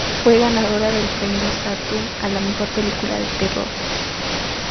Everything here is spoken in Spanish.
Fue ganadora del Premio Saturn a la Mejor película de terror.